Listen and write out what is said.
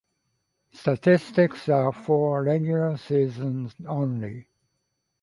Statistics are for regular season only.